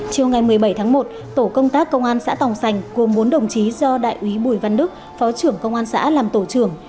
chiều ngày một mươi bảy tháng một tổ công tác công an xã tòng sành gồm bốn đồng chí do đại úy bùi văn đức phó trưởng công an xã làm tổ trưởng